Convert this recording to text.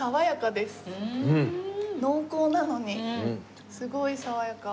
濃厚なのにすごい爽やか。